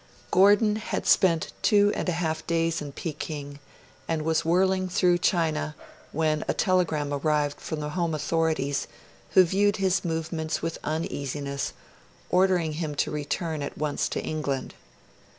Gordon had spent two and a half days in Pekin, and was whirling through China, when a telegram arrived from the home authorities, who viewed his movements with uneasiness, ordering him to return at once to England.